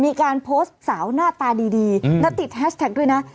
มีการโพสต์สาวหน้าตาดีแล้วติดแฮชแท็กด้วยนะ